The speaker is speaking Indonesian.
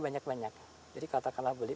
banyak banyak jadi katakanlah beli